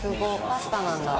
パスタなんだ。